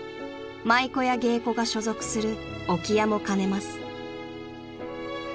［舞妓や芸妓が所属する置屋も兼ねます］